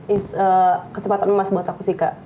it s kesempatan emas buat aku sih kak